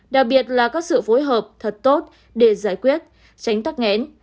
đặc biệt là có sự phối hợp thật tốt để giải quyết tránh tắc nghẽn